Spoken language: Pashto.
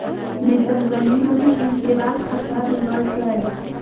د ځنګلي ونو انقراض خطر لوړ دی.